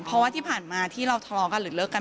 เพราะว่าที่ผ่านมาที่เราทะเลาะกันหรือเลิกกัน